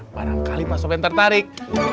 barangkali pak sopian tertarik